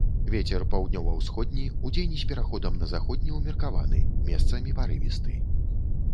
Вецер паўднёва-ўсходні, удзень з пераходам на заходні ўмеркаваны, месцамі парывісты.